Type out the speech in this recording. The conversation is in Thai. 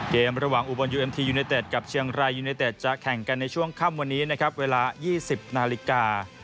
เกมระหว่างอุบลยูเอ็มทียูเนเต็ดกับเชียงรายยูเนเต็ดจะแข่งกันในช่วงค่ำวันนี้นะครับเวลา๒๐นาฬิกา